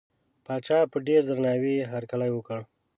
پاچا په ډېر درناوي هرکلی وکړ.